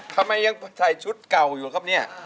ทำไมยังใส่ชุดเก่าอยู่ครับเนี่ย